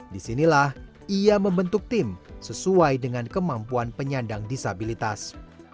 disinilah ia membentuk tim sesuai dengan kemampuan penyandang disabilitas